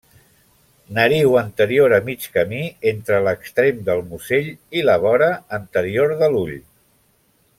Nariu anterior a mig camí entre l'extrem del musell i la vora anterior de l'ull.